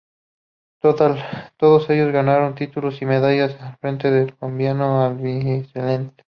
Todos ellos ganaron títulos y medallas al frente del combinado albiceleste.